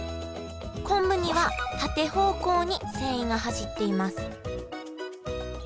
昆布には縦方向に繊維が走っています